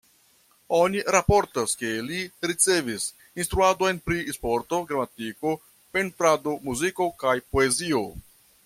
Oni raportas, ke li ricevis instruadon pri sporto, gramatiko, pentrado, muziko kaj poezio.